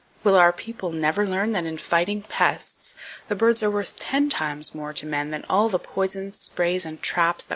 Will our people never learn that in fighting pests the birds are worth ten times more to men than all the poisons, sprays and traps that ever were invented or used?